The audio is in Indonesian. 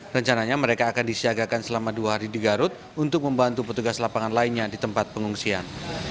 rencananya mereka akan disiagakan selama dua hari di garut untuk membantu petugas lapangan lainnya di tempat pengungsian